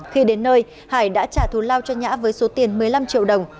khi đến nơi hải đã trả thù lao cho nhã với số tiền một mươi năm triệu đồng